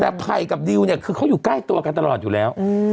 แต่ไผ่กับดิวเนี่ยคือเขาอยู่ใกล้ตัวกันตลอดอยู่แล้ว